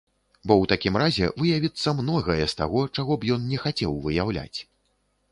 Бо ў такім разе выявіцца многае з таго, чаго б ён не хацеў выяўляць.